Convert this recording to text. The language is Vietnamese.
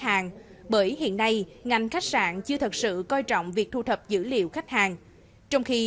hàng bởi hiện nay ngành khách sạn chưa thật sự coi trọng việc thu thập dữ liệu khách hàng trong khi